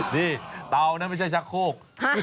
นี่เตานั้นไม่ใช่ชักโคก